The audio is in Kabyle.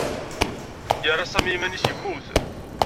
Yerra Sami iman-nnes yemmut.